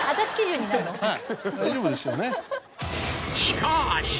しかし！